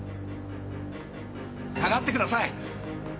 下がってください！